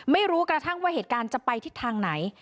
ไม่รู้กระทั่งว่าเหตุการณ์จะไปทิศทางไหน